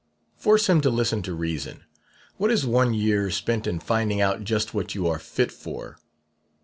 Force him to listen to reason. What is one year spent in finding out just what you are fit for?